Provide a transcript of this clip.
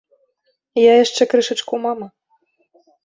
Я яшчэ крышачку мама.